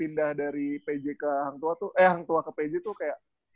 pindah dari pj ke hang tuah tuh eh hang tuah ke pj tuh kayak